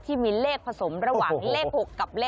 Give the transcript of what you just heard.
ที่มีเลขผสมระหว่างเลข๖กับเลข